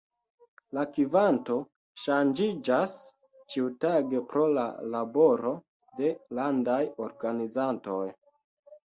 La kvanto ŝanĝiĝas ĉiutage pro la laboro de landaj organizantoj.